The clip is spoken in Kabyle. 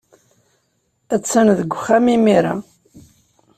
Attan deg uxxam imir-a.